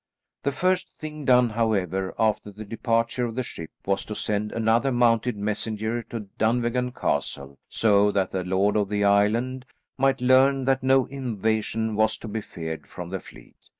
The first thing done, however, after the departure of the ship, was to send another mounted messenger to Dunvegan Castle, so that the lord of the island might learn that no invasion was to be feared from the fleet.